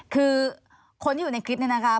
คือคนที่อยู่ในคลิปนี้นะคะ